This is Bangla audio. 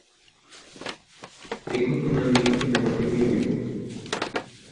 এ ঘটনা নিয়েই সিনেমাটি নির্মিত।